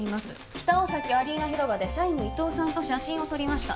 北大崎アリーナ広場で社員の伊藤さんと写真を撮りました